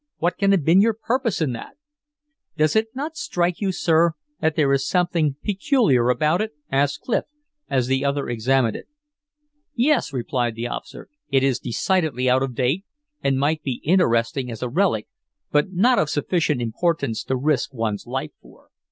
"What can have been your purpose in that?" "Does it not strike you, sir, that there is something peculiar about it?" asked Clif, as the other examined it. "Yes," replied the officer, "it is decidedly out of date, and might be interesting as a relic, but not of sufficient importance to risk one's life for."